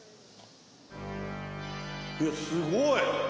いやすごい。